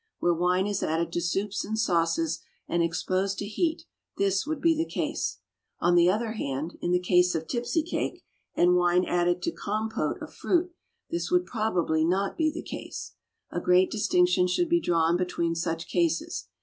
Where wine is added to soups and sauces and exposed to heat, this would be the case. On the other hand, in the case of tipsy cake, and wine added to compote of fruit, this would probably not be the case. A great distinction should be drawn between such cases.